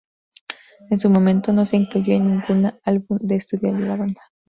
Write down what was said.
En su momento, no se incluyó en ningún álbum de estudio de la banda.